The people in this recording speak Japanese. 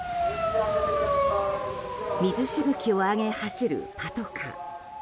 水しぶきを上げ走るパトカー。